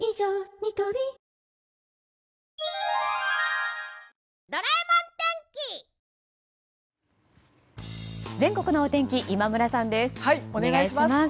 ニトリ全国のお天気今村さんです、お願いします。